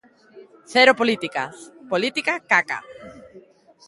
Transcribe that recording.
Cero política, política caca.